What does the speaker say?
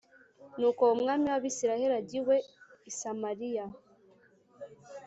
Nuko umwami w’Abisirayeli ajya iwe i Samariya